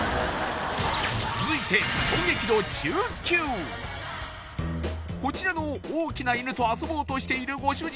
続いて衝撃度中級こちらの大きな犬と遊ぼうとしているご主人